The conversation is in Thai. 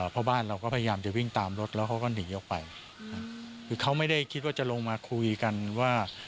เพราะบ้านเราก็พยายามจะวิ่งตามรถแล้วเขาก็หนีออกไปคือเขาไม่ได้คิดว่าจะลงมาคุยกันว่า